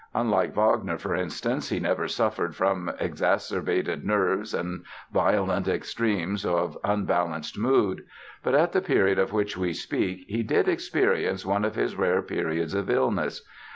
Unlike Wagner, for instance, he never suffered from exacerbated nerves and violent extremes of unbalanced mood. But at the period of which we speak he did experience one of his rare periods of illness.